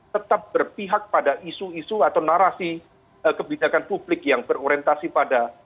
tetap berpihak pada isu isu atau narasi kebijakan publik yang berorientasi pada